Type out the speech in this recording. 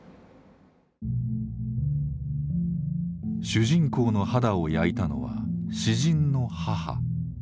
主人公の肌を焼いたのは詩人の母。